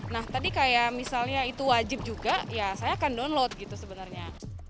nah tadi kayak misalnya itu wajib juga ya saya akan download gitu sebenarnya